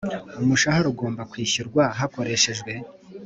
Umushahara ugomba kwishyurwa hakoreshejwe